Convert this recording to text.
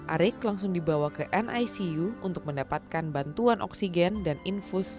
arik langsung dibawa ke nicu untuk mendapatkan bantuan oksigen dan infus